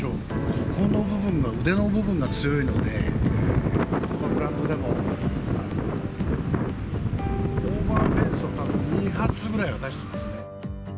ここの部分が、腕の部分が強いので、このグラウンドでも、オーバーフェンスをたぶん２発ぐらいは放ってますね。